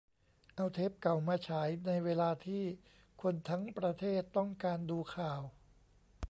เอาเทปเก่ามาฉาย ในเวลาที่คนทั้งประเทศต้องการดูข่าว